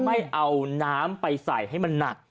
ไม่เอาน้ำไปใส่ให้มันหนัก